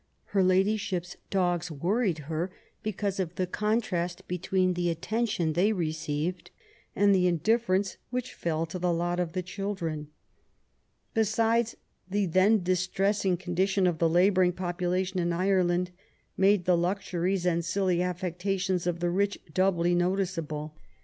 Her ladyship's dogs worried her because of the contrast between the attention they received and the indiffer ence which fell to the lot of the children. Besides^ the then distressing condition of the labouring population in Ireland made the luxuries and silly affectations of the rich doubly noticeable.